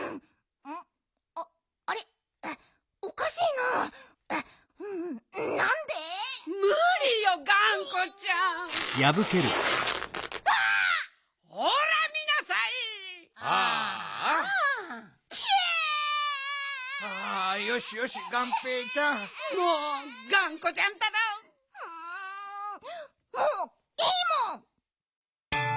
うんもういいもん！